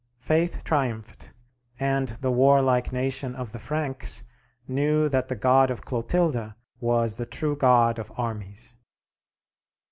Faith triumphed, and the warlike nation of the Franks knew that the God of Clotilda was the true God of armies.